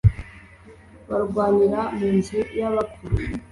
barwanira mu nzu y'abapfu.